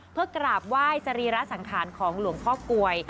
เพื่อกราบไหว้สรีระสังขารของหลวงพ่อกลวย